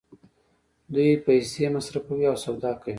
دوی پیسې مصرفوي او سودا کوي.